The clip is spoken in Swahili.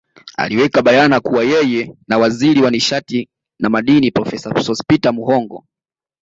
Aliweka bayana kuwa yeye na Waziri wa nishati na Madini Profesa Sospeter Muhongo